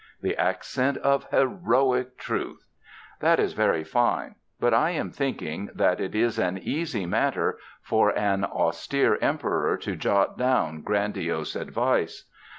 The accent of heroic truth! This is very fine, but I am thinking that it is an easy matter for an austere emperor to jot down grandiose advice.